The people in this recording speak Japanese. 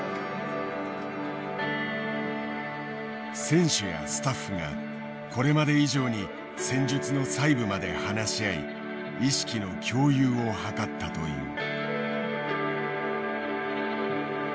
選手やスタッフがこれまで以上に戦術の細部まで話し合い意識の共有を図ったという。